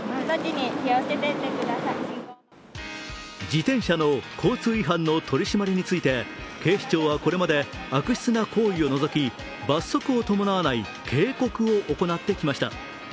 自転車の交通違反の取り締まりについて警視庁はこれまで悪質な行為を除き、罰則を伴わない警告を行ってきました。